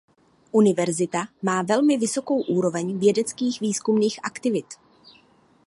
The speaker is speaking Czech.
Univerzita má velmi vysokou úroveň vědeckých výzkumných aktivit.